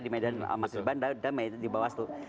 di medan masjid bandar damai dibawas tuh